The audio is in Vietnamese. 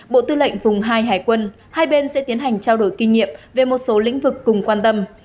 bộ tư lệnh vùng hai hải quân hai bên sẽ tiến hành trao đổi kinh nghiệm về một số lĩnh vực cùng quan tâm